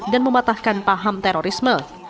dan mematahkan paham terorisme